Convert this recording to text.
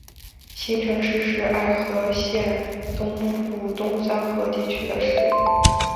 新城市是爱知县东部东三河地区的市。